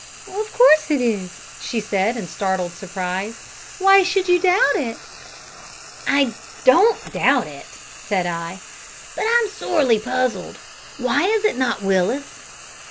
"Of course it is," she said, in startled surprise, "why should you doubt it?" "I don't doubt it," said I, "but I'm sorely puzzled. Why is it not Willis?"